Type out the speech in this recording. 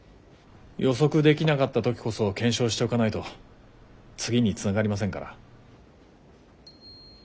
予測できなかった時こそ検証しておかないと次につながりませんから。